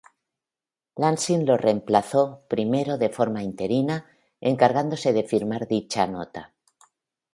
Lansing lo reemplazó, primero de forma interina, encargándose de firmar dicha nota.